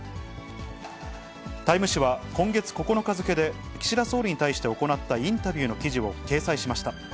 タイム誌は、今月９日付で、岸田総理に対して行ったインタビューの記事を掲載しました。